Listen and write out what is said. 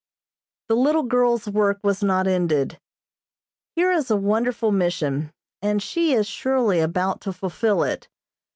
The little girl's work was not ended. Hers is a wonderful mission, and she is surely about to fulfill it.